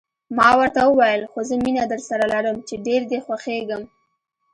ما ورته وویل: خو زه مینه درسره لرم، چې ډېر دې خوښېږم.